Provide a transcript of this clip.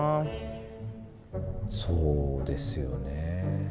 そうですよね。